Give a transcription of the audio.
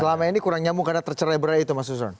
selama ini kurang nyambung karena tercerai berai itu mas usman